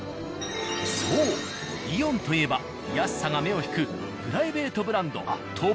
そう「イオン」といえば安さが目を引くプライベートブランドトップバリュ。